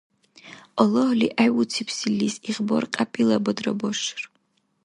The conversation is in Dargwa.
Аллагьли гӀевуцибсилис игъбар кьяпӀилабадра башар.